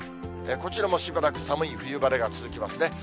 こちらもしばらく寒い冬晴れが続きますね。